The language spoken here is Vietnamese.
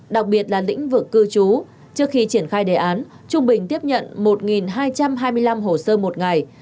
đặc biệt là lĩnh vực cư trú trước khi triển khai đề án trung bình tiếp nhận một hai trăm hai mươi năm hồ sơ một ngày